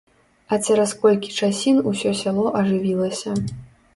А цераз колькі часін усё сяло ажывілася.